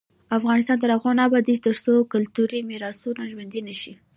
افغانستان تر هغو نه ابادیږي، ترڅو کلتوري میراثونه ژوندي نشي.